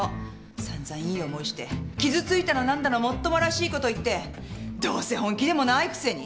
さんざんいい思いして傷ついたの何だのもっともらしいこと言ってどうせ本気でもないくせに！